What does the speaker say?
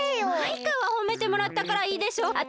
マイカはほめてもらったからいいでしょ！